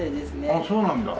ああそうなんだ。